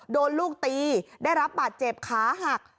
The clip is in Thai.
โดนลูกตีได้รับบาดเจ็บขาหัก